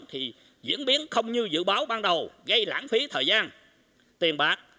thì diễn biến không như dự báo ban đầu gây lãng phí thời gian tiền bạc